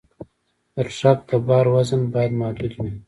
د ټرک د بار وزن باید محدود وي.